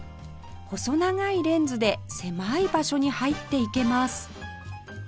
細長いレンズで狭い場所に入っていけます